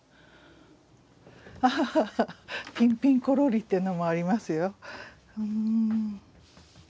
ああ「ピンピンコロリ」っていうのもありますよ。